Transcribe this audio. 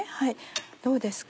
どうですか？